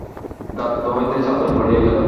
গাত্র হইতে চাদর পড়িয়া গেল।